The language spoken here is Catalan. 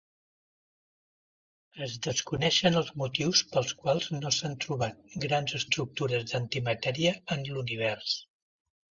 Es desconeixen els motius pels quals no s'han trobat grans estructures d'antimatèria en l'univers.